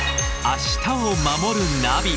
「明日をまもるナビ」